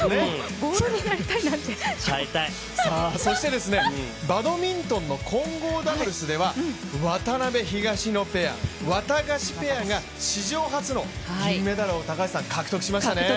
そしてバドミントンの混合ダブルスでは渡辺、東野ペアワタガシペアが史上初の銀メダルを獲得しましたね。